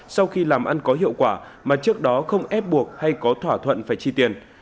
sau khi làm ăn có hiệu quả mà trước đó không ép buộc hay có thỏa thuận phải chi tiền